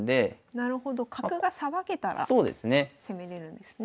なるほど角がさばけたら攻めれるんですね。